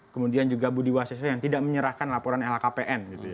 kemudian juga budi wasiso yang tidak menyerahkan laporan lkpn